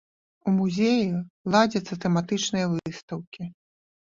У музеі ладзяцца тэматычныя выстаўкі.